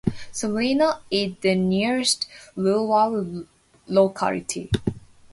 Selino is the nearest rural locality.